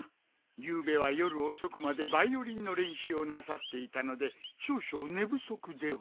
ゆうべは夜遅くまでバイオリンの練習をなさっていたので少々寝不足では？